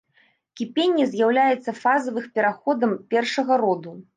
Кіпенне з'яўляецца фазавых пераходам першага роду.